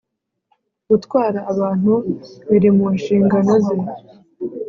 gutwara abantu biri mu nshingano ze